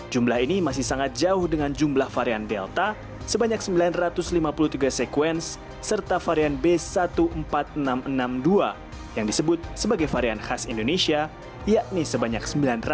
jumlah ini masih sangat jauh dengan jumlah varian delta sebanyak sembilan ratus lima puluh tiga sekuens serta varian b satu empat ribu enam ratus enam puluh dua yang disebut sebagai varian khas indonesia yakni sebanyak sembilan ratus